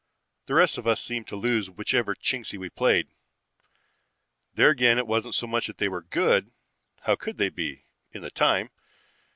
The rest of us seemed to lose whichever Chingsi we played. There again it wasn't so much that they were good. How could they be, in the time?